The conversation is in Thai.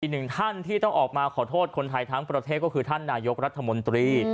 หนึ่งท่านที่ต้องออกมาขอโทษคนไทยทั้งประเทศก็คือท่านนายกรัฐมนตรี